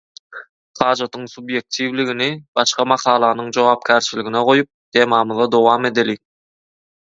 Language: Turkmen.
Hajatyň subýektiwligini başga makalanyň jogapkärçiligine goýup temamyza dowam edeliň.